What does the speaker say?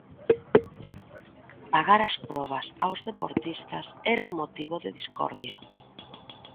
Pagar as probas aos deportistas era un motivo de discordia.